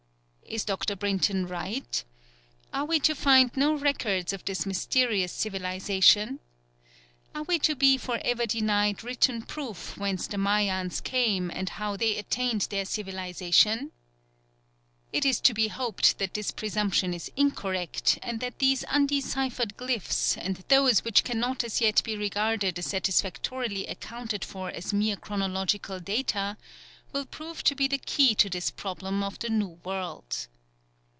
Is Dr. Brinton right? Are we to find no records of this mysterious civilisation? Are we to be for ever denied written proof whence the Mayans came and how they attained their civilisation? It is to be hoped that his presumption is incorrect, and that these undeciphered glyphs and those which cannot as yet be regarded as satisfactorily accounted for as mere chronological data will prove to be the key to this problem of the New World.